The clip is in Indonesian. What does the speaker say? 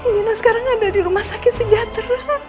lino sekarang ada di rumah sakit sejahtera